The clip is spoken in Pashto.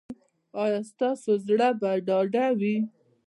ایا ستاسو زړه به ډاډه وي؟